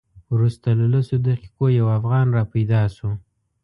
وروسته له لسو دقیقو یو افغان را پیدا شو.